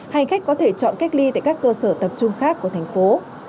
hành khách có thể chọn cách ly tại các cơ sở tập trung khác của thành phố